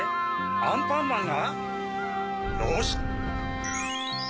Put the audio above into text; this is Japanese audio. アンパンマンが！